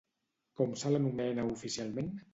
Com se l'anomena oficialment?